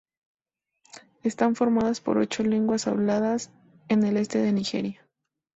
Están formadas por ocho lenguas habladas en el este de Nigeria.